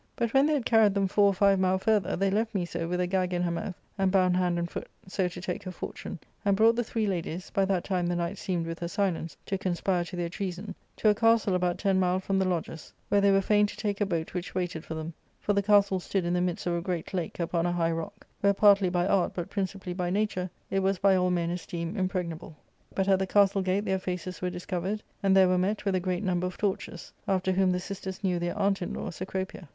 But when they had carried them four or five mile further, they left Miso with a gag in her mouth, and bound hand and foot, so to take her fortune, and brought the three ladies (by that time the night seemed with her silence to conspire ^ to their treason) to a castle about ten mile from the lodges, where they were fain to take a boat which waited for them ; for the castle stood in the midst of a great lake upon a high rock, where, partly by art, but principally by nature, it was by all men esteemed impregnable. But at the castle gate £ieir faces were discovered, and there were met with a great umber of torches,* after whom the sisters knew their aunt in Lw, Cecropia.